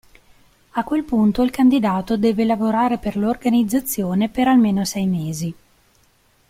A quel punto il candidato deve lavorare per l'organizzazione per almeno sei mesi.